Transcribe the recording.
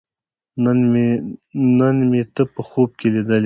نن مې ته په خوب کې لیدلې